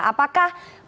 apakah pernyataan itu